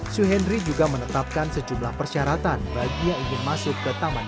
syuhendri juga menetapkan sejumlah persyaratan bagi yang ingin masuk ke taman bacaan ini